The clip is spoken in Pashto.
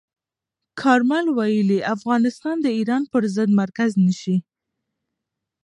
کارمل ویلي، افغانستان د ایران پر ضد مرکز نه شي.